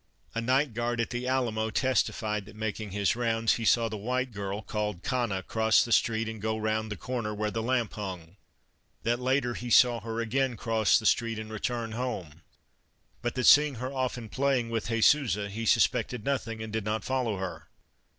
A night guard at the Alamo testified that making his rounds he saw the white girl called Cana cross the street and go round the corner where the lamp hung ; that later he saw her again cross the street and return home, but that seeing her often playing with Jesusa he suspected nothing, and did not follow her.